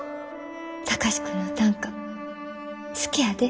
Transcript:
貴司君の短歌好きやで。